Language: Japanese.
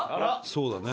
そうだね。